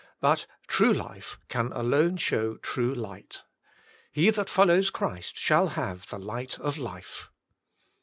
But true life can alone show true light. He that follows Christ shall have the light of life.